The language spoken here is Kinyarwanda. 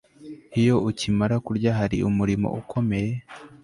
Iyo ukimara kurya hari umurimo ukomeye